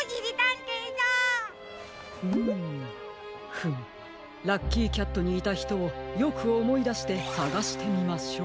フムラッキーキャットにいたひとをよくおもいだしてさがしてみましょう。